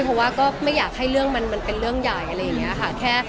เพราะว่าก็ไม่อยากให้เรื่องมันเป็นเรื่องใหญ่อะไรอย่างนี้ค่ะ